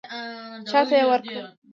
چاته یې ورکړم.